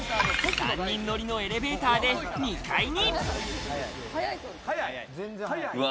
３人乗りのエレベーターで２階に。